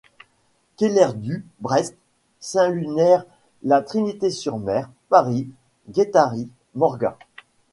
Kélerdut, Brest, Saint-Lunaire La Trinité-sur-Mer, Paris, Guéthary, Morgat.